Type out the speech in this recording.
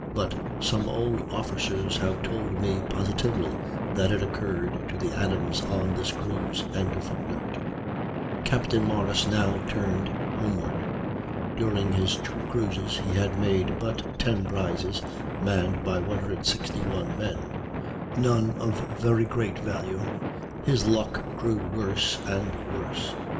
But some old officers have told me positively that it occurred to the Adams on this cruise.] Capt. Morris now turned homeward. During his two cruises he had made but 10 prizes (manned by 161 men), none of very great value. His luck grew worse and worse.